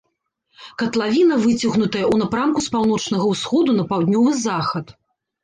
Катлавіна выцягнутая ў напрамку з паўночнага ўсходу на паўднёвы захад.